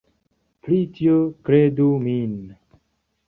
Pri tio kredu min.